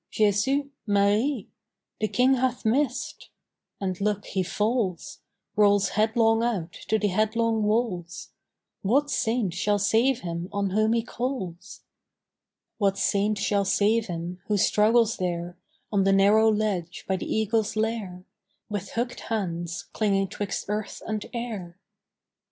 "Jesu! Marie! "The King hath missed!" And, look, he falls! Rolls headlong out to the headlong walls. What Saint shall save him on whom he calls? What Saint shall save him, who struggles there On the narrow ledge by the eagle's lair, With hook'd hands clinging 'twixt earth and air?